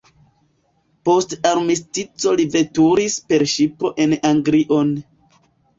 Post armistico li veturis per ŝipo en Anglion.